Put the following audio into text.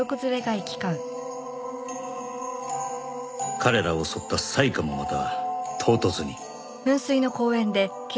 彼らを襲った災禍もまた唐突に